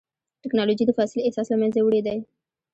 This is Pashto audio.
ټکنالوجي د فاصلې احساس له منځه وړی دی.